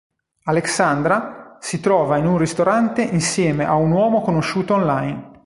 Alexandra, si trova in un ristorante insieme a un uomo conosciuto online.